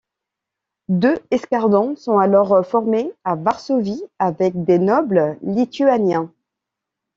Deux escadrons sont alors formés à Varsovie avec des nobles lituaniens.